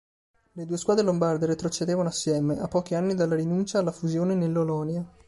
Le due squadre lombarde retrocedevano assieme, a pochi anni dalla rinuncia alla fusione nell'Olonia.